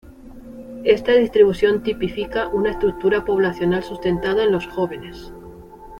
Esta distribución tipifica una estructura poblacional sustentada en los jóvenes.